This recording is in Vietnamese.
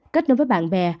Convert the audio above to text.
cách đối với bạn bè